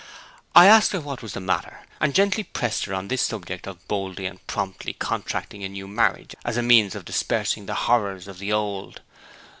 I asked her what was the matter, and gently pressed her on this subject of boldly and promptly contracting a new marriage as a means of dispersing the horrors of the old.